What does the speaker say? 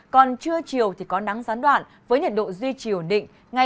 còn trưa chiều thì có nắng gián đoạn với nhiệt độ duy chiều định